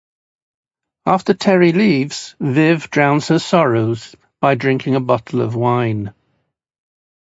After Terry leaves, Viv drowns her sorrows by drinking a bottle of wine.